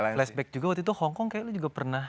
karena flashback juga waktu itu hongkong kayaknya juga pernah